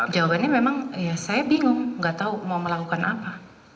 jawabannya memang ya saya bingung nggak tahu mau melakukan apa